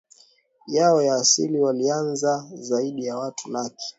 yao ya asili walianza Zaidi ya watu laki